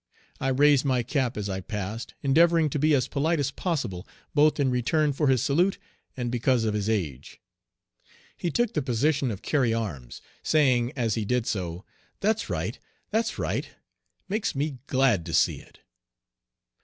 I raised my cap as I passed, endeavoring to be as polite as possible, both in return for his salute and because of his age. He took the position of "carry arms," saying as he did so, "That's right! that's right! Makes me glad to see it."